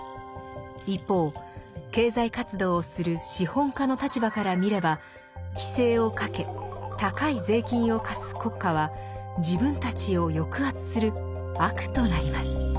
一方経済活動をする資本家の立場から見れば規制をかけ高い税金を課す国家は自分たちを抑圧する「悪」となります。